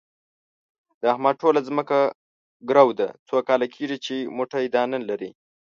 د احمد ټوله ځمکه ګرو ده، څو کاله کېږي چې موټی دانه نه لري.